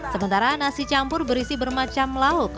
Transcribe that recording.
sementara nasi campur berisi bermacam lauk